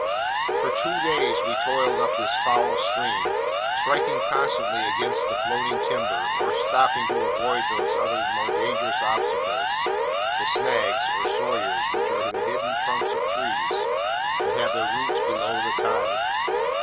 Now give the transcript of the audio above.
For two days we toiled up this foul stream, striking constantly against the floating timber, or stopping to avoid those more dangerous obstacles, the snags, or sawyers, which are the hidden trunks of trees that have their roots below the tide.